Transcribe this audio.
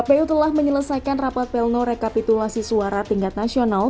kpu telah menyelesaikan rapat pelno rekapitulasi suara tingkat nasional